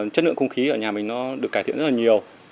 chất lượng không khí ở nhà mình nó được cải thiện rất là nhiều